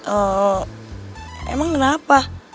eh emang kenapa